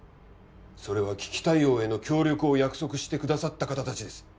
それは危機対応への協力を約束してくださった方達です